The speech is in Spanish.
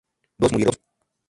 Dos murieron.